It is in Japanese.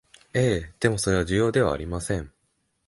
ええ、でもそれは重要ではありません